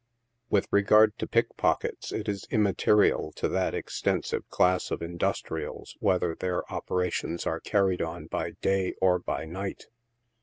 "With regard to pickpockets, it is immaterial to that extensive class of industrials whether their operations are carried on by day or by night.